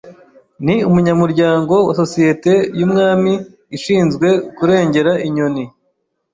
Ni umunyamuryango wa societe yumwami ishinzwe kurengera inyoni.